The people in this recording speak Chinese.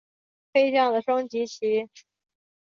飞将的升级棋。